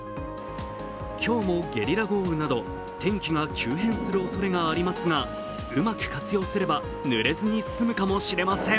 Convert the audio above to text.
今日もゲリラ豪雨など天気が急変するおそれがありますが、うまく活用すればぬれずに済むかもしれません。